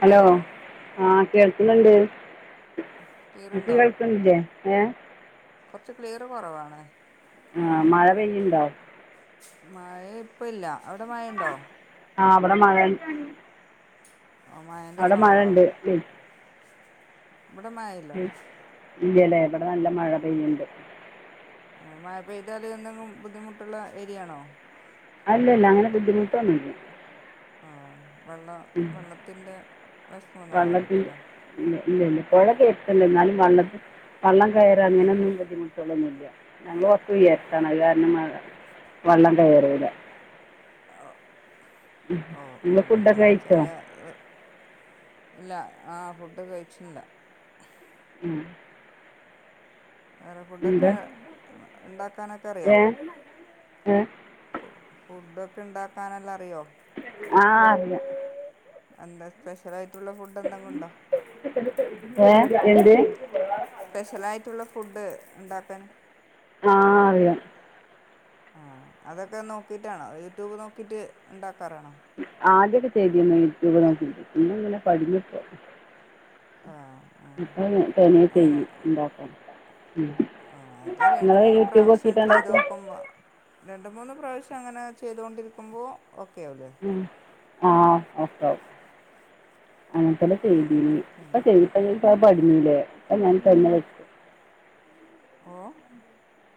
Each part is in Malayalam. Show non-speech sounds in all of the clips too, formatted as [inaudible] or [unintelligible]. ഹലോ ആഹ കേൾക്കുന്നുണ്ട് ക്ലിയറുണ്ടോ ഇങ്ങൾക്ക് കേൾക്കുന്നില്ലെ ഏ കുറച്ച് ക്ലിയർ കുറവാണ് ആഹ മഴ പെയ്യ്ണ്ടോ മഴ ഇപ്പ ഇല്ല അവിടെ മഴയുണ്ടോ ആഹ ഇവിടെ മഴ ആ മഴേൻ്റെ അവിടെ മഴ സൗണ്ടാണ് ഉണ്ട് ഇവിടെ മഴ ഇല്ല ഉം. ഇല്ലല്ലേ ഇവിടെ നല്ല മഴ പെയ്യ്ണ്ട് മഴ പെയ്താൽ എന്തെങ്കിലും ബുദ്ധിമുട്ടുള്ള ഏരിയയാണോ അല്ല ഇല്ല അങ്ങനെ ബുദ്ധിമുട്ടൊന്നുമില്ല ആഹ വെള്ളം വെള്ളത്തിന്റെ പ്രശ്നം ഒന്നും വെള്ളത്തിൻ്റെ ഉണ്ടാവിലേയ്കുലെ ഇല്ല ഇല്ല ഇല്ല പുഴയൊക്കെ എരുത്തുണ്ട് എന്നാലും വള്ളം കയറാ അങ്ങനെയൊന്നും ബുദ്ദിമുട്ടുകളൊന്നുംല്ല ഞങ്ങൾ കുറച്ച്ഉയരത്താണ് അത് കാരണം വെള്ളം കയറൂല ഓ ഓ നിങ്ങൾ ഫുഡൊക്കെ കഴിച്ചോ എന്നാച്ചാല് ഇല്ല ആ ഫുഡ് കഴിച്ചില്ല ഉം വേറെ എന്താ ഫുഡൊക്കെ ഉണ്ടാക്കാനൊക്കെ അറിയോ ഏ ഏ ഫുഡൊക്കെ ഉണ്ടാക്കാനല്ലാം അറിയോ ആ അറിയാം എന്താ സ്പെഷ്യൽ ആയിട്ട് മറ്റുള്ള ഫുഡ് എന്തെങ്കും ഉണ്ടോ ഏ എന്ത് സ്പെഷ്യലായിട്ടുള്ള ഫുഡ് ഉണ്ടാക്കാൻ ആഹ അറിയാം ആ അതൊക്കെ നോക്കിട്ടാണോ യൂട്യൂബ് നോക്കിട്ട് ഇണ്ട ക്കാറ് നോക്കിനി യൂട്യൂബ് പിന്ന ഇങ്ങനെ പടിഞ്ഞുപ്പോ ആഹ് ആഹ് അപ്പൊ തനെ അങ്ങനെ ചെയ്യും ഉണ്ടാക്കൻ അത് രണ്ട് മൂന്ന് പ്രാവശ്യം നോക്കിയിട്ട് ചെയ്ത് ഉണ്ടാക്കും നോക്കുമ്പോ രണ്ട് മൂന്ന് പ്രാവശ്യ അങ്ങനെ ചെയ്തുകൊണ്ടിരിക്കുമ്പോ ഉം ആ ഓക്കെ അങ്ങനത്തെല്ല പിന്നെ ചെയ്തിന് ഇപ്പ പ്രശ്നമില്ല ചെയ്തിപ്പ ഞാൻ പടിഞ്ഞില്ലേ ഇപ്പോ ഞാൻ തന്നെ വെക്കും ഓ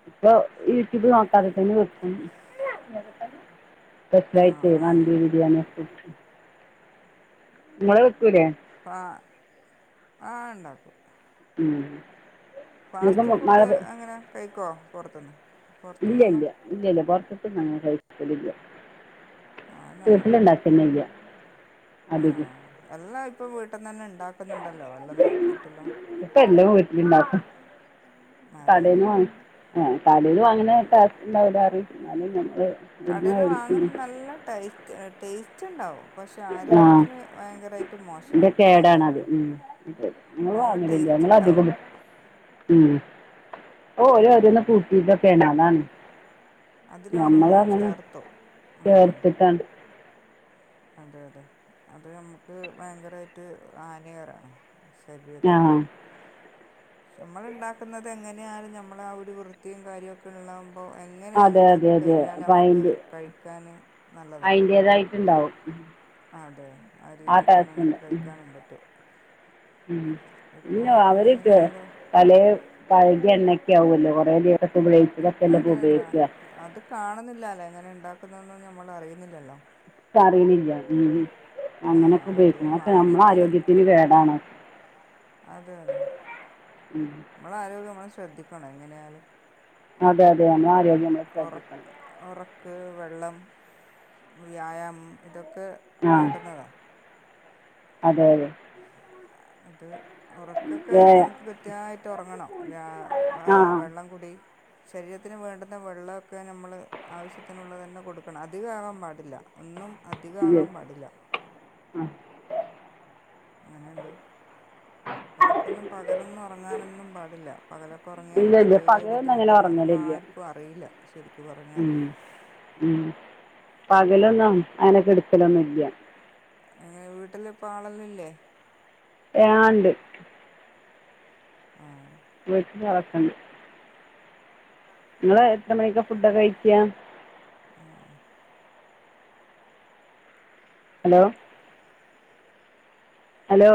ഇപ്പോ യുട്യൂബ് നോക്കാത തന്നെ വെക്കും സ്പെഷ്യൽ ആഹ് ആയിട്ട് ആഹ് മന്തി ബിരിയാണി ഒക്കെ വെക്കും നിങ്ങള് വെക്കൂലെ പ്പാ ആ ഉണ്ടാക്കും ഉം ഫാസ്റ്റ് ഫുഡ് അങ്ങനെ കഴിക്കോ പുറത്തുന്ന് ഇല്ല ഇല്ല ഇല്ല ഇല്ല പുറത്ത ങ്ങനെ കഴിക്കലില്ല ആഹ് അത് നല്ലതാ വീട്ടിലുണ്ടാകന്നല്ല. ആഹ് എല്ലാം ഇപ്പോ വീ ട്ടുന്നന്നെ ണ്ടാ ക്കുന്നുണ്ടല്ലോ എല്ലാ നോക്കിട്ടല്ലോ കടേന്ന് വാ ആ കടേന്ന് വാങ്ങണ ടേസ്റ്റ് ഉണ്ടാവില്ല പറിയും എന്നാലും [unintelligible] ഇവിടുന്ന് കടേന്ന് മേടിക്കും വാങ്ങുന്ന നല്ല ടൈറ്റ് ടേസ്റ്റ് റ്റുണ്ടാവും. ആഹ് ന്റെ മോശമാണ് കേടണത് ഹാനികരാണ് ഉം നമ്മള് നല്ല വാങ്ങലില്ല ടേസ്റ്റ് നമ്മള് അധികോ ഉണ്ടാവും ഉം ഓ ഓരോ ഉം ഓരോന്ന് കൂട്ടീട്ടൊക്കെണ് അതാണ് അതില് ഞമ്മള ഓരോന്ന് അങ്ങനെ ചേർത്തു ഉം ചേർത്തിട്ടാ അതെ അതെ അത് നമ്മുക്ക് ഭയങ്കരായിട്ട് ആനികരാണ്. ആ ശരീരത്തിന്. നമ്മൾ ഇണ്ടാക്കുന്നത് എങ്ങനെയാലും നമ്മള ആ ഒരു വൃത്തിയും കാര്യഒക്കെ ഉള്ള പ്പോൾ എങ്ങനെയാലും അതെ അതെ ഇണ്ടാക്കി അതെ കഴിഞ്ഞാൽ അപ്പം നമുക്ക് അതിൻ്റെ കഴിക്കാന് നല്ലതാ. അതിൻ്റേതായിട്ടുണ്ടാവും അതെ ആ രീതി തന്നെ ടേസ്റ്റ് നമുക്ക് ഉണ്ട് ഉം. കഴിക്കാനും പറ്റും. ഉം ഇല്ല ഇപ്പോൾ അവര്ക്ക് എങ്ങനെയാലും പലേ പഴകിയ എണ്ണക്കെ ആവല്ലൊ കൊറേ ദിവസം ഉപയോഗിച്ചതൊക്കെ ല്ലേ അതെ അതെ ഉപയോഗിക്ക. ന്നൊന്നും നമ്മള് അറിയുന്നില്ലല്ലോ. അറിണില്ല. ആ, അങ്ങനൊക്കെ അത് ഉപയോഗിക്ക്ണെ ഒക്കെ നമ്മള വാങ്ങിയിട്ട് ആരോഗ്യത്തിന് കേടാണ്. അതെ അതെ. ഉം. നമ്മള ആരോഗ്യം നമ്മളെ ശ്രദ്ധിക്കണം എങ്ങനെയാലും. അ അതെ അതെ നമ്മളെ ആരോഗ്യം നമ്മൾ ശ്രദ്ധിക്കണം. ഉറക്ക്, വെള്ളം, വ്യായാമ് ഇതൊ ക്കെ ആ വേണ്ടുന്നതാ. അതെ അതെ. അത് ഒറക്കൊക്കെ ഏ നമുക്ക് കൃത്യമായിട്ട് ഒ റങ്ങണം. വ്യ ആ വെള്ളംകൂടി ശരീരത്തിന് വേണ്ടുന്ന വെള്ളഒക്കെ ഞമ്മള് ആവശ്യത്തിനുള്ളതന്നെ കൊടുക്കണം അധികാവാൻ പാടില്ല ഒന്നും അധികം ഇത് ആവാൻ പാടില്ല ആ എങ്ങനെ നുണ്ട് ഉറക്കോന്നും പകലോന്നും ഉറങ്ങാന്നും പാടില പകലോക്ക ഉറങ്ങിയാൽ ഇല്ല ഇല്ല പലെ പകലൊന്നും അങ്ങനെ ബുദ്ധിമുട്ടാണ് അതോന്നും ഉറങ്ങലില്ല ആർക്കും അറിയില്ല ശരിക്കുപറഞ്ഞാൽ പകലോന്നും അങ്ങനക്കെടക്കലോന്നും ഇല്ല്യ അങ്ങനെ വീട്ടിൽ ഇപ്പോ ആളെല്ലം ഇല്ലെ ആ ഇണ്ട് ആ വീട്ടിലേക്കാളുണ്ട് നിങ്ങൾ എത്ര മണിക്ക് ഫുഡ് ഒക്കെ കഴിക്കാം ഹലോ ഹലോ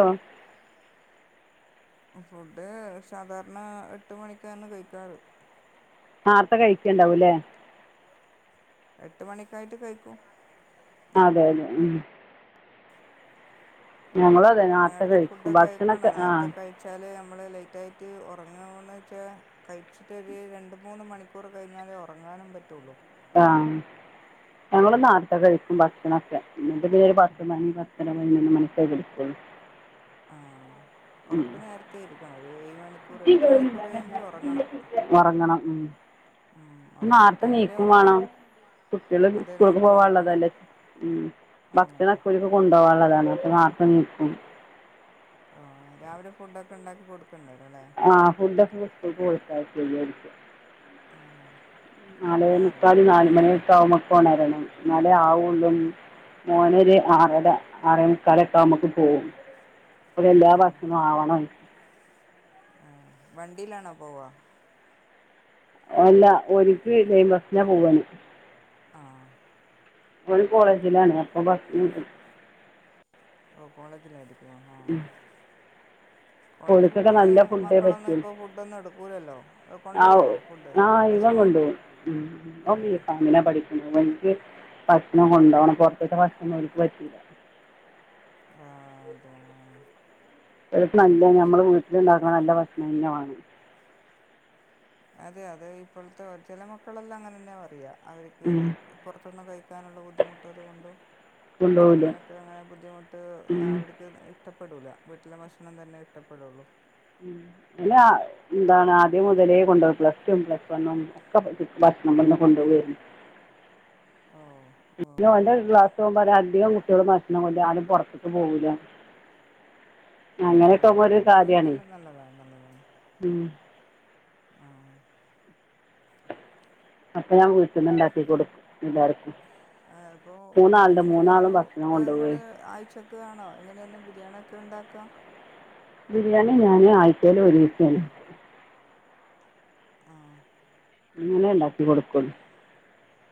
ഫുഡ് സാധാരണ എട്ട് മണിക്കാണ് കഴിക്കാർ നേർത്ത കഴിക്കണ്ടാവില്ലേ എട്ട് മണിക്കായിട്ട് കഴിക്കും അതെ ഉം ഞങ്ങള അതെ നേർത്ത നേരത്തെ കഴിക്കും ഫുഡൊക്കെ ഭക്ഷണോക്കെ കഴിക്കണം ആ നേരത്തെ കഴിച്ചാൽ നമ്മൾ ലെയ്റ്റായിട്ട് ഉറങ്ങാമോന്ന് നമ്മളെ ലേറ്റായിട്ട് ഉറങ്ങാൻ പറ്റുള്ളൂവെച്ചാൽ കഴിച്ചിട്ടഒര് രണ്ട് മൂന്ന് മണിക്കൂർ കഴിഞ്ഞാലെ ഉറങ്ങാനും പറ്റുള്ളൂ ആ ഞങ്ങൾ നാർത്ത് കഴിക്കും ഭക്ഷണോക്കെ എന്നിട്ട് [unintelligible] ആ ഉറക്കം നേരത്തെ എടുക്കണം ഒരു ഏഴ് മണിക്കൂർ എട്ട് മണിക്കൂറെങ്കിലും ഉറങ്ങണം ഉറങ്ങണം ഉം ഉം, ഉറങ്ങേണ്ട നേരത്തെ ടൈമിലേ എണീക്കും വേണം ഉറങ്ങാവൂ കുട്ടികൾ അതെ സ്കൂളിലേക്ക് നേരത്തെ എണീക്കണം പോകാനുള്ളതല്ലേ ആ ഉംഭക്ഷണം കൊണ്ടാവാനുളതാണ് നീക്കും ആ രാവിലെ ഫുഡ് ഒക്കെ ഉണ്ടാക്കി കോടു ആ ഫുഡോക്കെ സ്‌കൂൾക് ആ കൊടുത്തയക്കുന്നുണ്ട് ആ നാലെ ആ മുക്കാൽ ഇവിടുത്തെ നാല് അങ്ങനെ തന്നെ മണിആവുമ്പോഴേക്കും ഉണരണം എന്നാലെ ആവുള്ളൂ മോന് ആറര ആറമുക്കാലോക്കെ ആവുമ്പോൾ ഉം എല്ലാ ഓ ഭക്ഷണവുംആവണം ആ വണ്ടിയിലാണോ പോവാ അല്ല ഓല് ലൈൻ ബസിനാ പോവ. ആഹ ഓൻകോളേജിലാണ് അപ്പൊ ബസിന് വിടും ഓ കോളേജിൽ ആയിരിക്കും കോളേജിൽ ഓല്ക്കൊക്കെ പോകുന്ന നല്ല ഫുഡേ മക്കളൊന്നും പറ്റും ഇപ്പോൾ ഫുഡൊന്നും എടുക്കൂലല്ലോ ആ കൊണ്ടുപോകുമോ ഫുഡ് ആ ഇവൻ ഭക്ഷണം കൊണ്ട് കൊണ്ടുപോകും പോകും ഓ ഉം ഇവൻ ബിഫമിനാണ്പഠിക്കുന്നു ഓൻക്ക് ഭക്ഷണം കൊണ്ട് പോകണം പുറത്ത്തെ ദക്ഷണം പറ്റു ലാ ആഹ അതെ ആ ഓല്ക്ക്നല്ല ഞമ്മള് ശരി വീട്ടിലുണ്ടാക്കുന്നനല്ല ഭക്ഷണം മീൻനെ വാങ്ങണം അതെ അതെ ഇപ്പോഴത്തെ ചില മക്കളെല്ലാം അങ്ങനന്നെ പറയാ അവർക്ക് പുറത്ത്നിന്ന് കഴിക്കാനുള്ള ബുദ്ധിമുട്ടതുകൊണ്ടും കൊണ്ടുപോവില്ല ചിലയാൾക്ക്അങ്ങനെ ബുദ്ധിമുട്ട് അവര്ക്ക് ഇഷ്ടപ്പെടൂല വീട്ടിലെ ഭക്ഷണം തന്നെ ഇഷ്ടപ്പെടോള്ളൂ പിന്നെ എന്താണ് ആദ്യം മുതലേ കൊണ്ട്പോം പ്ലസ് ടും പ്ലസ് വണ്ണും ഒക്കെ ഭക്ഷണം ഇവിടെ നിന്ന് കൊണ്ട് പോവാരുന്നു ഓ ഓ അധികം കുട്ടികള് ഭക്ഷണം കൊണ്ട് വരും ആരും പുറത്ക്ക് പോകൂല ആ അങ്ങനെയാക്കുമ്പോ ഒരു അത് കാര്യാണ് നല്ല നല്ലതാണ് നല്ലതാണ് ആ അപ്പൊ ഞാൻ വീട്ടിന് ഇണ്ടാക്കി കൊടുക്കും എല്ലാർക്കും അപ്പൊ എങ്ങനെയാലും ഭക്ഷണം കൊണ്ടുപോയി നിങ്ങള് ആഴ്ചക് ആണോ എങ്ങനെയൊന്ന് ബിരിയാണി ഒക്കെ ഉണ്ടാക്കാം ബിരിയാണി ഞാൻആഴ്ചയിൽ ഒരു ദിവ സെ ങാ അങ്ങനെ ഉണ്ടാക്കി കൊടുകോളു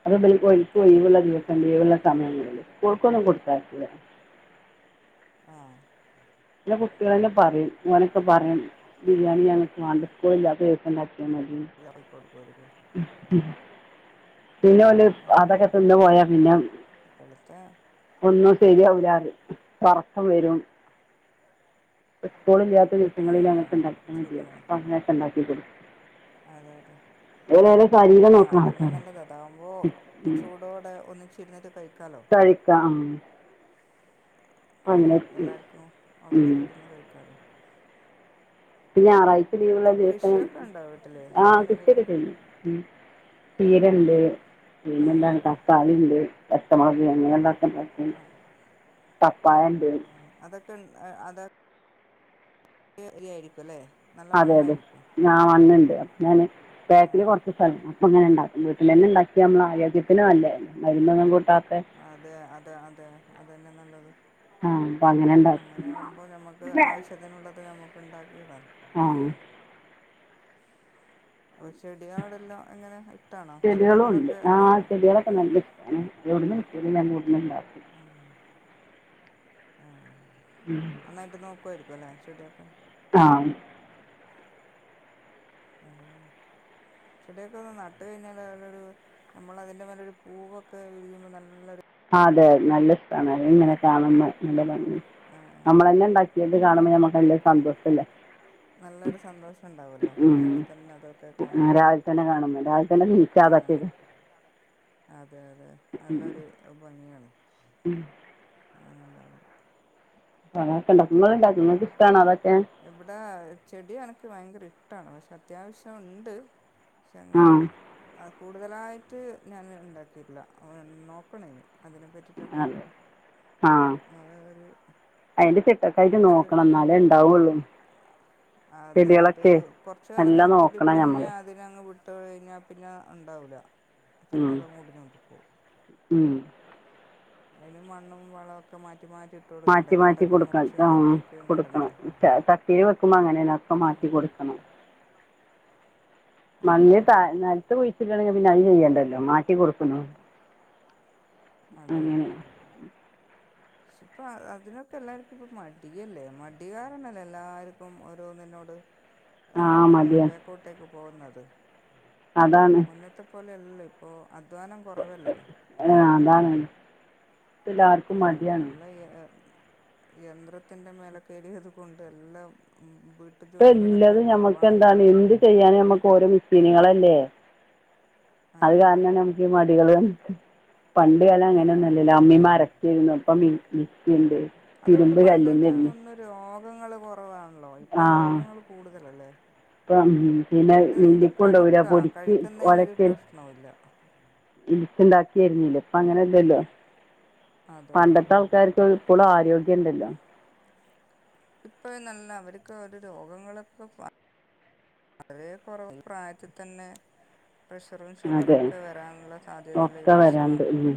അപ്പോ ഇ ബൽക്ക് ആ ഒഴിവ് ഉള്ള ദിവസം ലീവ് ഉള്ള ദി സമയങ്ങളില് സ്കൂള്ക്ക് ഒന്നുംകൊടുതയക്കില്ല ങാ പിന്നെകുട്ടികളന്നെ പറയും ഒനൊക്കെ പറയും ബിരിയാണി ഞങ്ങക്ക് വാണ്ട സ്കൂൾ ഇല്ലാത ദിവസം ഉണ്ടാ [unintelligible] എല്ലാം കൊടുക്കുമായിരിക്കും [unintelligible] പിന്നെ ആ ഓല്അതൊക്കെ തിന്ന് പോയാ പിന്നെ ഇപ്പോഴത്തെ ഒന്നും ശരിയാവില്ല അത് പറയു ഇപ്പോ വരും സ്കൂൾഇല്ലാത്ത ആ ദിവസങ്ങളിൽ അങ്ങനെത്തെഉണ്ടാക്കിയാൽ മതി എന്ന് പറയും ശരിയാണ് അപ്പോ അങ്ങനെ പറയും അതെ അതെ ഓലെ ശരീരം ആഹ നോക്കുന്ന അതന്നെ ആൾക്കാരാണ് നല്ലത് അതാവുമ്പോ ചൂടോടെ ഒന്നിച്ച് ഇഴുന്നട്ട് കഴി കഴിക്കാം അപ്പം മ്മ് അങ്ങനെ എല്ലാർക്കും ഓഫർ ഉം. ഇരുന്ന് കഴിക്കാലോ ഞായറായി ലീവുള്ള ദിവസം കൃഷിയൊക്കെ ഉണ്ടോ വീട്ടിൽ ആ എന്തെങ്കിലും കൃഷിയൊക്കെ ചെയ്യും തീരുണ്ട് ആ പിനെന്താണ് തക്കാളി ഉണ്ട് കസ്റ്റമർ ഇനി എങ്ങന [unintelligible] ത പയോണ്ട് അഹ് അതാ [unintelligible] യായിരിക്കുല്ലേ അതെ അതെ ഞാൻ വന്നിണ്ട് ഞാന് ബാക്കില് ആ കൊർച്ച് [unintelligible] അപ്പങ്ങനെണ്ടാക്കും വീട്ടിലന്നെ ഇണ്ടാക്ക്യാ നമ്മളെ ആരോഗ്യത്തിന് നല്ലയല്ലെ മരുന്നൊന്നും കൂട്ടാ അതെ അതെ അതെ അതന്നെ നല്ലത് ആ അപ്പം അങ്ങനെ ഉണ്ടാക്കും അങ്ങനെയാവുമ്പോ ഞമ്മക്ക് ആവശ്യത്തിനുള്ളത് ഞമ്മ ണ്ടാക്കിയത ആഹ് പ്പൊ ചെടിയാടെല്ല എങ്ങനെ ഇട്ടാണോ ചെടികളും ഉണ്ട് ചെടികളൊക്കെ ആ നടോ? ഇരുന്നങ്ങ് ഇടിയുണ്ടാ [unintelligible] കും ആഹ് ഉം. നന്നായിട്ട് നോ- പോയിരിക്കുവല്ലേ ശരിയാക്കാൻ ആഹ് അതാന് ചെടിയൊക്കൊന്ന് നട്ട് കഴിഞ്ഞാലാലൊരു നമ്മളതിൻ്റെ മേലൊരു പൂവൊക്കെ വിരിയുമ്പോ നല്ലൊര് അതെ നല്ല കണല്ങ്ങനെ കാണുമ്മെ നല്ലതാ ആഹ് നമ്മള് തന്നെ ഉണ്ടാക്കി വീണ്ടും കാണുമ്പോ നമുക്ക് നല്ല സന്തോഷം ഇല്ലേ നല്ലൊരു സന്തോഷം ഉണ്ടാവല്ലോ രാവിലെ തന്നെ അതൊക്കെ ആ, കാണുമ്പോ രാവിലെ തന്നെ കാണുമ്പോൾ രാവിലെ തന്നെ നീച്ചാൽ അതൊക്കെ ആഹ് ഉം. അതെ അതെ നല്ലൊരു- ഭംഗിയാണ് ഉം അങ്ങനെ ഉണ്ടാകുമ്പോൾ അത്ക്കണ്ടാവും നമ്മള് ഉണ്ടാക്കുന്നത് കിട്ടാണ് അതെ എവിടാ ചെടിയാണ് ഭയങ്കര ഇഷ്ടമാണ് പക്ഷെ അത്യാവശ്യണ്ട് പക്ഷെ ആ അങ്ങനെ അ കൂടുതലായിട്ട് ഞാൻ അത് ഉണ്ടാക്കിയിട്ടില്ല നോക്കണേ അ ആഹ് നമ്മൾ ഒരു അയിന്റെ ചിട്ടക്കായിട്ട് നോക്കണം എന്നാലേ ഉണ്ടാവുള്ളൂ ഉം അതെ അത് കൊറച്ച്കാലം നല്ല നോക്കീട്ട് നോക്കണം നമ്മൾ പിന്നെ അതിനങ് വിട്ട്- ഇട്ട് കഴിഞ്ഞാ പിന്നെ ഉണ്ടാവൂല പിന്നെ അതങ്ങോട്ടങ്ങോട്ട് പോകും അതിന് മണ്ണും വളമൊക്കെ മാ മാറ്റി മാറ്റി കൊടുക്ക ആ മാറ്റിയൊക്കെ കൊടുക്കണം നടണ്ടേ ചട്ടിൽ വെക്കുമ്പോ അങ്ങനൊക്കെ ആ മാറ്റി കൊടുക്കണം ആ മഞ്ഞി ത നൽത്ത് കുയ് [unintelligible] പിന്നെ അത് ചെയ്യണ്ടല്ലോ മാറ്റി കൊടുക്കുന്നു അങ്ങനെ ക്ഷെ ഇപ്പ അതിനൊക്കെ എല്ലാർക്കും ഇപ്പ മടിയല്ലേ മടികാരണല്ലേ എല്ലാർക്കും ഓരോന്നിനോട് ആ എന്താ പറയാ മടിയാണ് ബേക്കോ ട്ടേക്ക് പോന്നത് അതാണ് മുന്നത്തെ പോലെയ ല്ല ഇപ്പോ അധ്വാനം കുറവല്ലേ എല്ലാരും ഇപ്പെല്ലാർക്കും മടി ആണ് യന്ത്രത്തിന്റെ മേലെ കേറിയത് കൊണ്ട് എല്ലാം വീട്ടു ജോലികളൊക്കെ ഇപ്പെല്ലതും ഞമ്മക്ക് കുറവാണല്ലോ എന്താണ് ഇപ്പോൾ എന്ത് ചെയ്യാനും ഞമ്മക്ക് ഓരോ മിഷീനികള ല്ലേ അത് അതെ കാരണം ഞമ്മക്ക് ഈ മടികള് വ [inaudible] പണ്ട് കാലം ആ അങ്ങനെ ഒന്നു അല്ലല്ലോ മടി അമ്മിമരക്കേയ്രുന്ന് ഇപ്പൊ മിക്സിണ്ട് തിരുമ്പൽ കല്ലിമ്മൽ [unintelligible] ണല്ലോ ഇപ്പ രോഗങ്ങൾ കൂടുതലല്ലേ ഇപ്പം പിന്നെ പണ്ട് എന്ത് മില്ലിൽ കൊണ്ടുപോകില്ല കഴിക്ക പൊടിച്ച് കഴിക്കുന്നതിനൊരു പ്രശ്നൊല്ല [unintelligible] ഇണ്ടാക്കിരുന്നില്ലേ ഇപ്പ അങ്ങനെല്ലല്ലോ അതെ പണ്ടത്തെ ആൾക്കാർക്ക് ഇപ്പളും ആരോഗ്യം ഉണ്ടല്ലോ ഇപ്പ നല്ല അവർക്ക് ഒരു രോഗങ്ങളൊക്കെ വളരെ കുറവ് പ്രായത്തിൽ തന്നെ പ്രഷറും അതെ ഷുഗറൊക്കെ വരാനുള്ള സാധ്യതയുള്ള ഈ ഒക്കെ വരാണ്ട് ഭക്ഷണം ഉ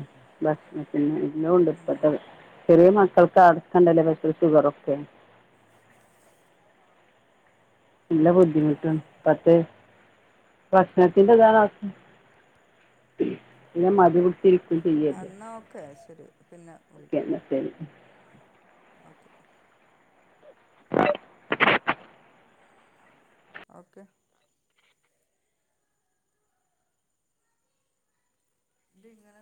ഭക്ഷണത്തിന് ഉണ്ട് ഉം ഇപ്പത്തെ ചെറിയ മക്കൾക്ക് അടക്കണ്ടല്ലോ പ്രേഷറും ഷുഗറൊക്കെ നല്ല ആ ബുദ്ധിമുട്ടും ഇപ്പാക്ക് ഭക്ഷണത്തിന്റെ ഇതാണ് പിന്നെ മതി ശരിക്കും ചെയ്യല്ലേ എന്നാ ഓക്കെ ശരി പിന്നെ ഓക്ക വിളിക്കാം ശരി ഓക്കെ ഓക്കെ ഇത് ഇങ്ങന